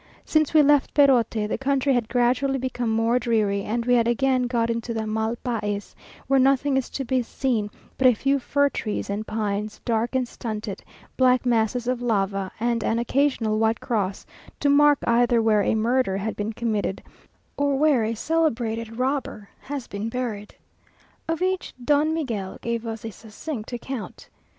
Since we left Perote, the country had gradually become more dreary, and we had again got into the "mal pais," where nothing is to be seen but a few fir trees and pines, dark and stunted, black masses of lava, and an occasional white cross to mark either where a murder has been committed, or where a celebrated robber has been buried. Of each, Don Miguel gave us a succinct account.